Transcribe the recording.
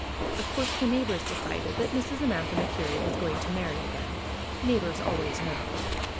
Of course the neighbors decided that Mrs. Amantha MacKerrie was going to marry again. Neighbors always know.